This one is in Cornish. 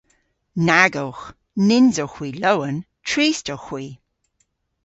Nag owgh. Nyns owgh hwi lowen, trist owgh hwi.